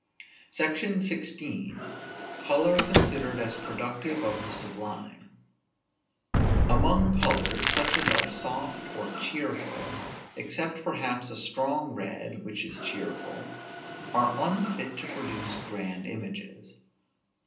SECTION XVI. COLOR CONSIDERED AS PRODUCTIVE OF THE SUBLIME. Among colors, such as are soft or cheerful (except perhaps a strong red, which is cheerful) are unfit to produce grand images.